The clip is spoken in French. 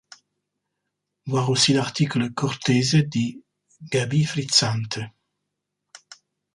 Voir aussi l’article Cortese di Gavi frizzante.